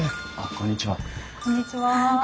こんにちは。